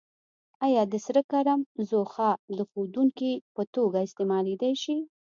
آیا د سره کرم ځوښا د ښودونکي په توګه استعمالیدای شي؟